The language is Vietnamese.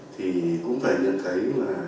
thì cũng phải nhận thấy